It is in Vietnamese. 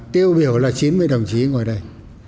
tiêu biểu là chín mươi đồng chí ngồi đây